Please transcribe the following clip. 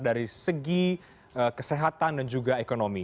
dari segi kesehatan dan juga ekonomi